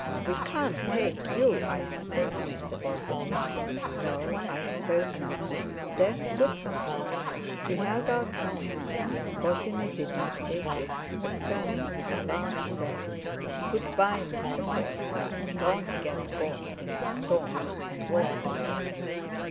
We can't take you, I suppose, Mr. Bosinney? No, I suppose not. Then, good bye!" He held out his hand. Bosinney did not take it, but, turning with a laugh, said: "Good bye, Mr. Forsyte. Don't get caught in the storm!" and walked away.